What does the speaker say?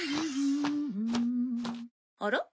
あら？